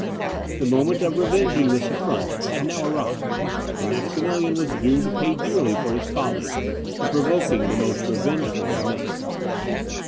The moment of revenging this affront had now arrived, and Maximilian was doomed to pay dearly for his folly, in provoking the most revengeful of men.